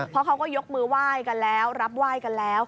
เพราะเขาก็ยกมือไหว้กันแล้วรับไหว้กันแล้ว